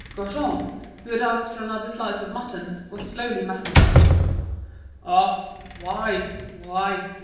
Gaujean, who had asked for another slice of mutton, was slowly masticating. "Ah! why, why?